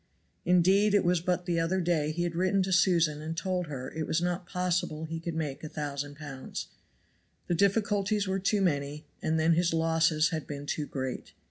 Indeed it was but the other day he had written to Susan and told her it was not possible he could make a thousand pounds. The difficulties were too many, and then his losses had been too great.